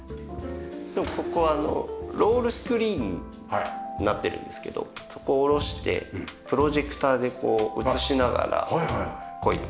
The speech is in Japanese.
ここロールスクリーンになってるんですけどそこ下ろしてプロジェクターで映しながらこいでます。